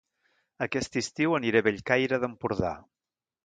Aquest estiu aniré a Bellcaire d'Empordà